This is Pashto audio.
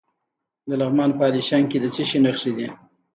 د لغمان په الیشنګ کې د څه شي نښې دي؟